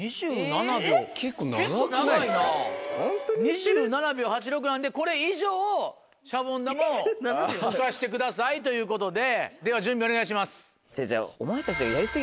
２７秒８６なんでこれ以上シャボン玉を浮かせてくださいということででは準備お願いします。